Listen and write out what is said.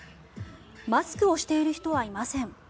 マスクをしている人はいません。